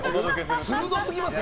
鋭すぎますね。